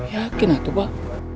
yakin lah itu pak